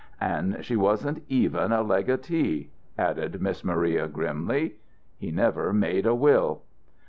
"And she wasn't even a legatee," added Miss Maria, grimly. He never made a will."